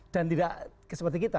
dan tidak seperti kita